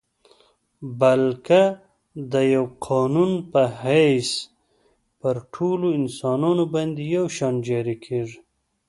بلکه د یوه قانون په حیث پر ټولو انسانانو باندي یو شان جاري کیږي.